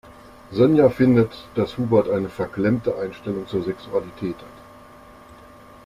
Sonja findet, dass Hubert eine verklemmte Einstellung zur Sexualität hat.